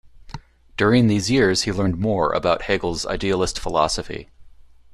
During these years he learned more about Hegel's idealist philosophy.